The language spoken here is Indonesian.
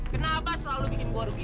kenapa selalu bikin gua rugi